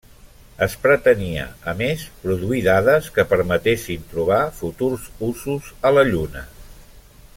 Es pretenia, a més, produir dades que permetessin trobar futurs usos a la Lluna.